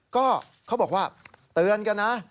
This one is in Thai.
ก็เขาบอกว่าเตือนกันนะ